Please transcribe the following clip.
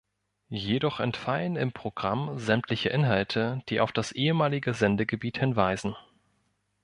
Jedoch entfallen im Programm sämtliche Inhalte, die auf das ehemalige Sendegebiet hinweisen.